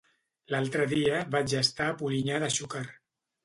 L'altre dia vaig estar a Polinyà de Xúquer.